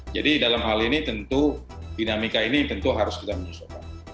jadi dalam hal ini tentu dinamika ini tentu harus kita menyusulkan